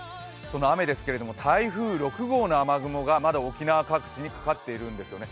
雨なんですけれども台風６号の雨雲がまだ沖縄各地にかかっているんですよね。